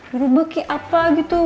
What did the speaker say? berubah kayak apa gitu